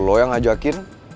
lo yang ngajakin